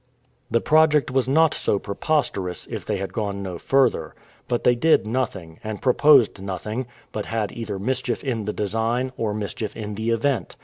The project was not so preposterous, if they had gone no further. But they did nothing, and proposed nothing, but had either mischief in the design, or mischief in the event.